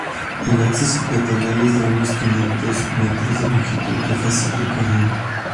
El acceso peatonal es de unos quinientos m de longitud de fácil recorrido.